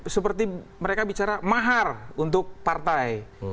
seperti mereka bicara mahar untuk partai